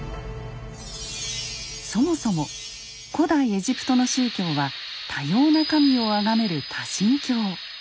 そもそも古代エジプトの宗教は多様な神をあがめる「多神教」。